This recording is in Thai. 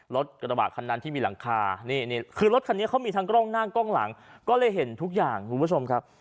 รถกระบะคันนั้นที่มีหลังคานี่คือรถคันนี้เขามีทั้งกล้องหน้ากล้องหลังก็เลยเห็นทุกอย่างคุณผู้ชมครับ